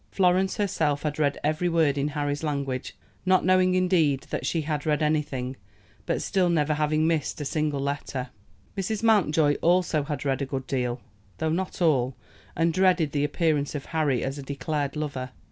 Florence herself had read every word in Harry's language, not knowing, indeed, that she had read anything, but still never having missed a single letter. Mrs. Mountjoy also had read a good deal, though not all, and dreaded the appearance of Harry as a declared lover.